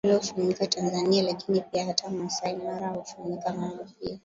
ambalo hufanyika Tanzania lakini pia hata Maasai Mara hufanyika hayo pia